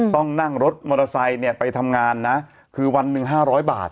ต้องนั่งรถมอเตอร์ไซค์เนี่ยไปทำงานนะคือวันหนึ่ง๕๐๐บาท